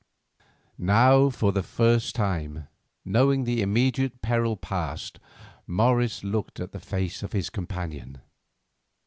Now, for the first time, knowing the immediate peril past, Morris looked at the face of his companion.